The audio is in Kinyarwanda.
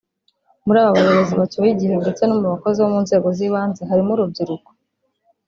muri aba bayobozi bacyuye igihe ndetse no mu bakozi bo mu nzego z’ibanze harimo urubyiruko